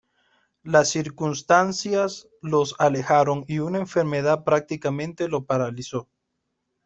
Las circunstancias los alejaron y una enfermedad prácticamente lo paralizó.